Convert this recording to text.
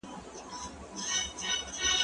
زه کتابتون ته تللي دي